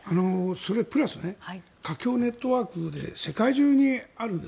それプラス華僑ネットワークで世界中にある。